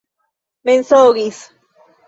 mensogis